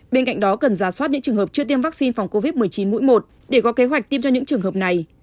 bên cạnh đó cần giả soát những trường hợp chưa tiêm vaccine phòng covid một mươi chín mũi một để có kế hoạch tiêm cho những trường hợp này